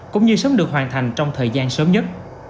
cũng như sớm được hoàn thành trong thời gian sớm nhất